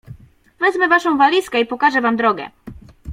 "Wezmę waszą walizkę i pokażę wam drogę."